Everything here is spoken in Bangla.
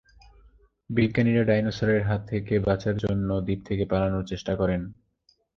বিজ্ঞানীরা ডাইনোসরের হাত থেকে বাঁচার জন্য দ্বীপ থেকে পালানোর চেষ্টা করেন।